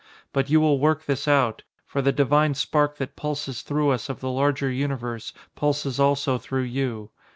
But you will work this out, for the Divine Spark that pulses through us of the Larger Universe, pulses also through you.